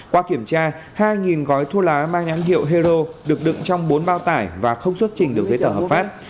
qua kiểm tra hai gói thuốc lá mang án hiệu hero được đựng trong bốn bao tải và không xuất trình được với tờ hợp phát